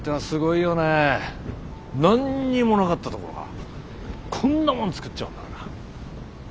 何にもなかったところからこんなもん作っちゃうんだから。